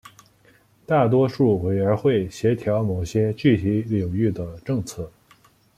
大多数委员会协调某些具体领域的政策。